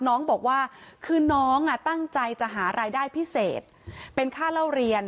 น้องบอกว่าคือน้องตั้งใจจะหารายได้พิเศษเป็นค่าเล่าเรียน